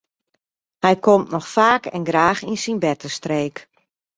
Hy komt noch faak en graach yn syn bertestreek.